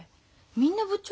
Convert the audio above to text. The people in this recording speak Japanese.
みんな部長？